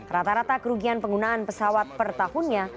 rata rata kerugian penggunaan pesawat per tahunnya